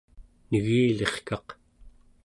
negilirkaq